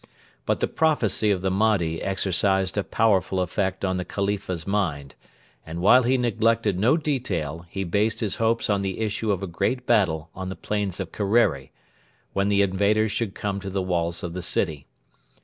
But the prophecy of the Mahdi exercised a powerful effect on the Khalifa's mind, and while he neglected no detail he based his hopes on the issue of a great battle on the plains of Kerreri, when the invaders should come to the walls of the city.